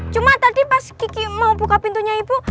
cuma tadi pas kiki mau buka pintunya ibu